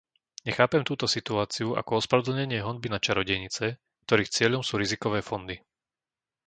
Nechápem túto situáciu ako ospravedlnenie honby na čarodejnice, ktorých cieľom sú rizikové fondy.